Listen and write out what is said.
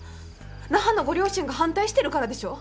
那覇のご両親が反対してるからでしょ？